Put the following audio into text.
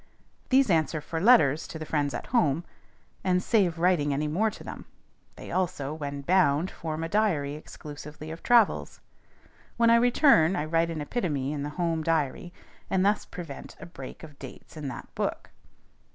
These answer for letters to the friends at home, and save writing any more to them. They also, when bound, form a diary exclusively of travels. When I return I write an epitome in the home diary, and thus prevent a break of dates in that book.